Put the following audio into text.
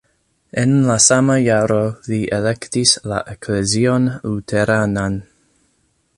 En la sama jaro li elektis la eklezion luteranan.